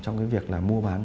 trong cái việc là mua bán